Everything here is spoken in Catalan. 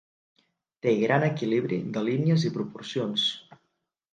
Té gran equilibri de línies i proporcions.